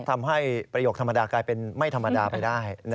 ทำให้ประโยคธรรมดากลายเป็นไม่ธรรมดาไปได้